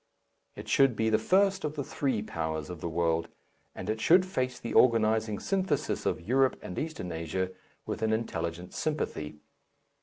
It should be the first of the three powers of the world, and it should face the organizing syntheses of Europe and Eastern Asia with an intelligent sympathy.